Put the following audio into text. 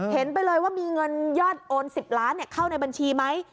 เห็นไปเลยว่ามีเงินยอดโอน๑๐ล้านเข้าในบัญชีไหม